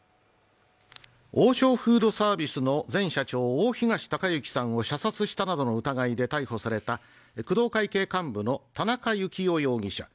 王将フードサービスの前社長・大東隆行さんを射殺したなどの疑いで逮捕された工藤会系幹部の田中幸雄容疑者